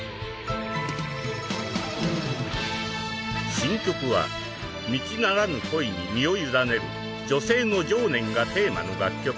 新曲は道ならぬ恋に身を委ねる女性の情念がテーマの楽曲。